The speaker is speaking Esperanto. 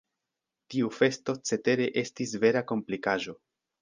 Tiu festo cetere estis vera komplikaĵo.